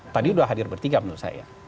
tadi sudah hadir bertiga menurut saya